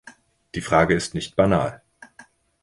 Die Frage ist nicht banal.